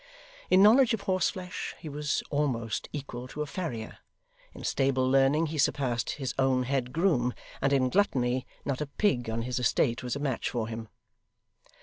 In knowledge of horseflesh he was almost equal to a farrier, in stable learning he surpassed his own head groom, and in gluttony not a pig on his estate was a match for him.